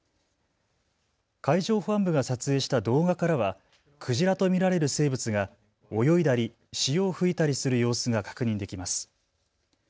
海上保安部が撮影した動画からはクジラと見られる生物が泳いだり潮を吹いたりする様子が確認できます。